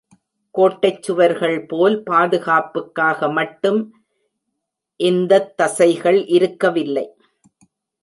கோட்டைச் சுவர்கள் போல் பாதுகாப்புக்காக மட்டும் இந்தத்தசைகள் இருக்கவில்லை.